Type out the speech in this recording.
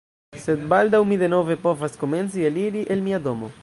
Sed baldaŭ mi denove povas komenci eliri el mia domo